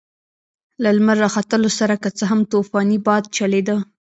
له لمر راختلو سره که څه هم طوفاني باد چلېده.